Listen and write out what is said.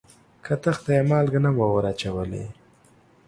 کتغ ته یې مالګه نه وه وراچولې.